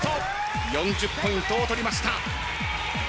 ４０ポイントを取りました。